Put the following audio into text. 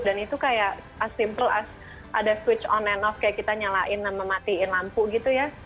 dan itu kayak as simple as ada switch on and off kayak kita nyalain dan mematiin lampu gitu ya